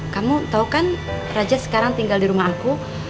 kamu tau kan raja sekarang tinggal di rumah aku